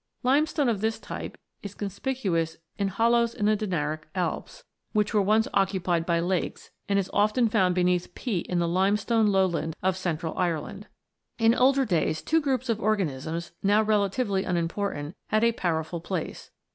Limestone of this type is con spicuous in hollows in the Dinaric Alps, which were 24 ROCKS AND THEIR ORIGINS [OH. once occupied by lakes, and is often found beneath peat in the limestone lowland of central Ireland. In older days, two groups of organisms, now relatively unimportant, had a powerful place.